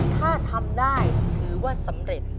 ถ้าทำได้ถือว่าสำเร็จ